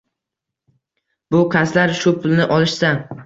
Bu kaslar shu pulni olishsa